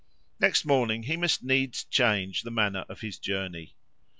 Next morning he must needs change the manner of his journey.